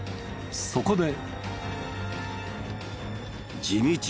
そこで。